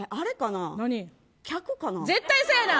絶対そうやな。